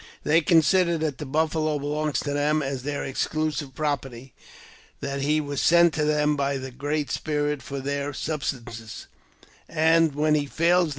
They consider that the buffalo belongs to them as their exclusive property; that he was sent to them by the Great Spirit for their subsistence; and when he fails them, I H.